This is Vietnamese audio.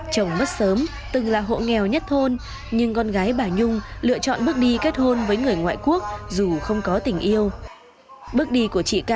chồng mất sớm từng là hộ nghèo nhất thôn nhưng con gái bà nhung lựa chọn bước đi kết hôn với người ngoại quốc dù không có tình yêu